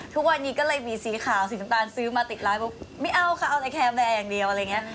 ทุกวันนี้ก็เลยมีสีขาวสีน้ำตาลซื้อมาติดไลฟ์บอกไม่เอาค่ะเอาในแคมแอร์อย่างเดียวอะไรอย่างนี้